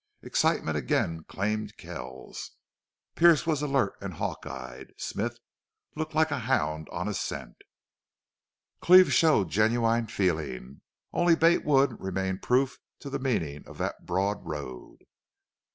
Excitement again claimed Kells; Pearce was alert and hawk eyed; Smith looked like a hound on a scent; Cleve showed genuine feeling. Only Bate Wood remained proof to the meaning of that broad road.